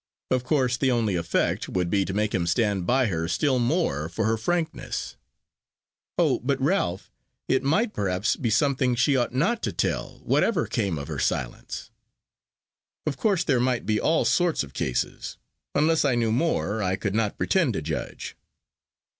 Of course, the only effect would be to make him stand by her still more for her frankness." "Oh! but, Ralph, it might perhaps be something she ought not to tell, whatever came of her silence." "Of course there might be all sorts of cases. Unless I knew more I could not pretend to judge."